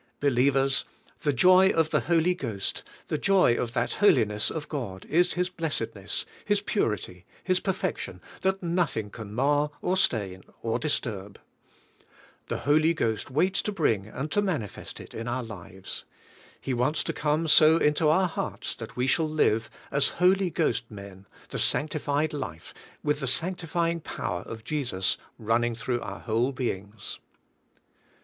Believers, the jo}' of the Holy Ghost, the joy of that holiness of God, is His blessedness. His purity, His perfection, that nothing can mar or stain or disturb. The Holy Ghost waits to bring and to manifest it in our lives. He wants to come so into our hearts that we shall live, as Holy Ghost men, the sancti fied life, with the sanctifying power of Jesus run ning through our whole beings.